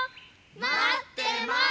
まってます！